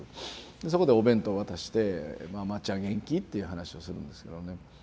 そこでお弁当を渡して「まっちゃん元気？」っていう話をするんですけどね。